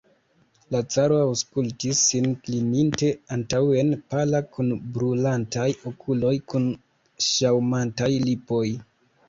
La caro aŭskultis, sin klininte antaŭen, pala, kun brulantaj okuloj, kun ŝaŭmantaj lipoj.